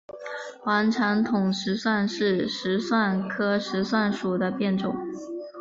黄长筒石蒜是石蒜科石蒜属的变种。